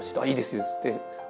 「いいですよ」っつって。